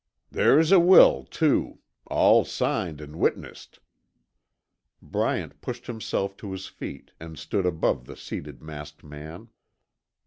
"There's a will too. All signed an' witnessed." Bryant pushed himself to his feet, and stood above the seated masked man.